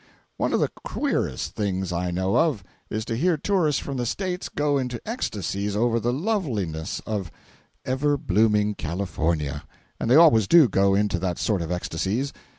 One of the queerest things I know of, is to hear tourists from "the States" go into ecstasies over the loveliness of "ever blooming California." And they always do go into that sort of ecstasies.